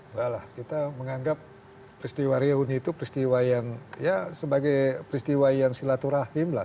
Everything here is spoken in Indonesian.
enggak lah kita menganggap peristiwa reuni itu peristiwa yang ya sebagai peristiwa yang silaturahim lah